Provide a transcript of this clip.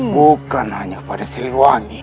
bukan hanya pada siluwangi